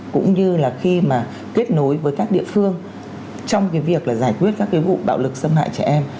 cũng như là khi mà kết nối với các địa phương trong cái việc là giải quyết các cái vụ bạo lực xâm hại trẻ em